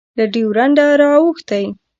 له ډیورنډه رااوښتی